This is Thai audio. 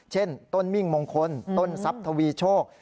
เช่นต้นมิ่งมงคลต้นทรัพย์ทวีโชค